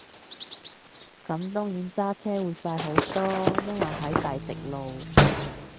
咁當然揸車會快好多，因為係大直路